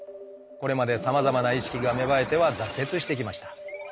これまでさまざまな意識が芽生えては挫折してきました。